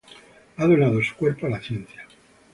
Ha donado su cuerpo a la ciencia.